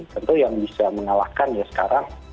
tentu yang bisa mengalahkan ya sekarang